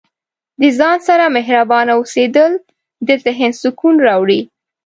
د ځان سره مهربانه اوسیدل د ذهن سکون راوړي.